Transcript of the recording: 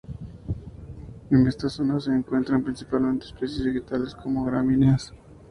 En esta zona se encuentran principalmente especies vegetales como gramíneas.